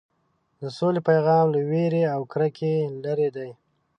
د سولې پیغام له وېرې او کرکې لرې دی.